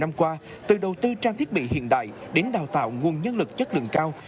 trong qua từ đầu tư trang thiết bị hiện đại đến đào tạo nguồn nhân lực chất lượng cao